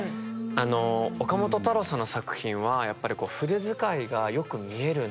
岡本太郎さんの作品はやっぱりこう筆遣いがよく見えるんですよね。